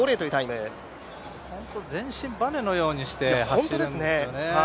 全身バネのようにして走るんですよね。